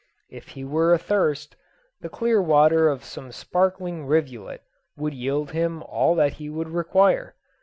If he were athirst, the clear water of some sparkling rivulet would yield him all that he would require.